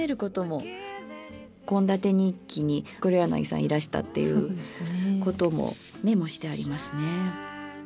献立日記に黒柳さんいらしたっていうこともメモしてありますね。